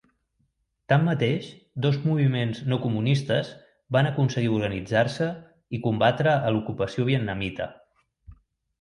Tanmateix, dos moviments no-comunistes van aconseguir organitzar-se i combatre a l'ocupació vietnamita.